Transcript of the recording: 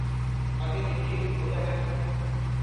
آگے دیکھیے ہوتا ہے۔